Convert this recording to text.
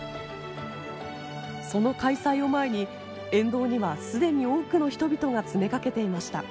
その開催を前に沿道には既に多くの人々が詰めかけていました。